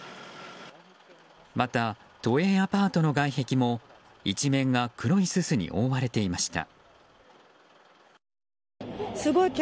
また、都営アパートの外壁も一面が黒いすすに覆われていました。